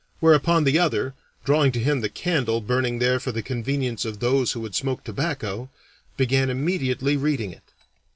Whereupon the other, drawing to him the candle, burning there for the convenience of those who would smoke tobacco, began immediately reading it.